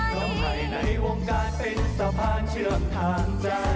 ทำให้ในวงการเป็นสะพานเชื่อมทางใจ